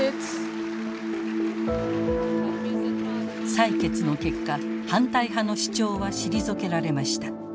採決の結果反対派の主張は退けられました。